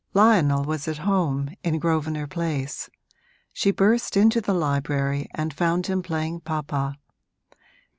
Lionel was at home, in Grosvenor Place: she burst into the library and found him playing papa.